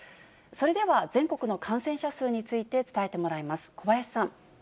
それでは、全国の感染者数について伝えてもらいます。